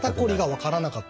分からなかった？